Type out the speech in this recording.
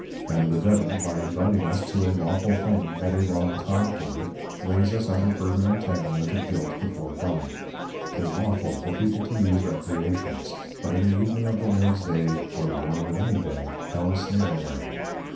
And the Devil by Inviting us to a Lawful thing, at a wrong time for it, Layes us under further Entanglement of Guilt before God. 'Tis Lawful for People to use Recreations; but in the Evening of the Lords Day, or the Morning of any Day, how Ensnaring are they!